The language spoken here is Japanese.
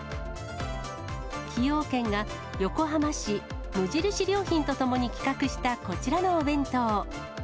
崎陽軒が横浜市、無印良品と共に企画したこちらのお弁当。